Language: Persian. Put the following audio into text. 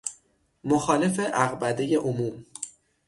مخالف عقبدۀ عموم